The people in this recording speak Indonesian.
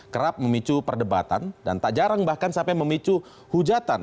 kerap memicu perdebatan dan tak jarang bahkan sampai memicu hujatan